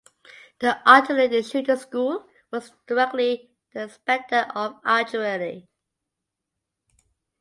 The Artillery Shooting School was directly under the Inspector of Artillery.